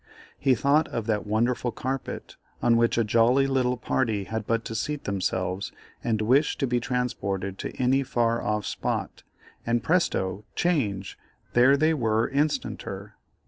He thought of that wonderful carpet on which a jolly little party had but to seat themselves and wish to be transported to any far off spot, and presto! change! there they were instanter.